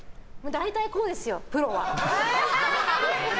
大体こうですよ、プロは？